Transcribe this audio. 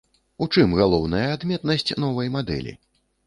У чым галоўная адметнасць новай мадэлі?